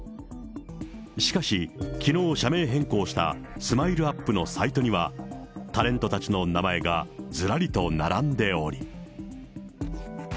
しかし、きのう社名変更したＳＭＩＬＥーＵＰ．のサイトには、タレントたちの名前がずらりと並んでおり。